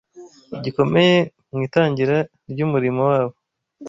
gikomeye mu itangira ry’umurimo wabo